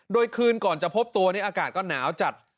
โดยคืนก่อนจะพบตัวนี้อากาศก็หนาวจัด